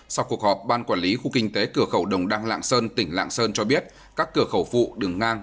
sau cuộc họp ban quản lý khu kinh tế cửa khẩu đồng đăng lạng sơn tỉnh lạng sơn cho biết các cửa khẩu phụ đường ngang